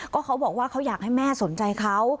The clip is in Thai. ก็เขาบอกว่าเขาอยากให้แม่สนใจเขา